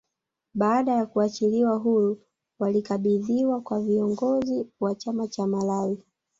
Baada ya kuachiliwa huru walikabidhiwa kwa kiongozi wa chama cha Malawi